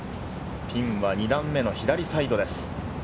ピンは２打目の左サイドです。